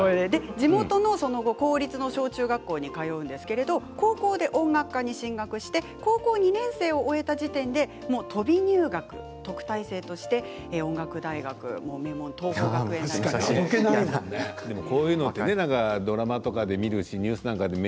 地元の公立小・中学校に通うんですけど高校で音楽科に進学して高校２年生を終えた時点で飛び入学で特待生として音楽大学に名門の桐朋学園大学に進むことになったんですね。